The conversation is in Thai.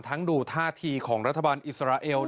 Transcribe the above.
ดูท่าทีของรัฐบาลอิสราเอล